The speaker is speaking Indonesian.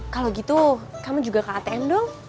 kalau gitu kamu juga ke atm dong